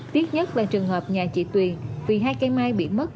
tiếc nhất là trường hợp nhà chị tuyền vì hai cây mai bị mất